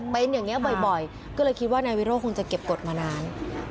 เป็นอย่างนี้บ่อยก็เลยคิดว่านายวิโรธคงจะเก็บกฎมานาน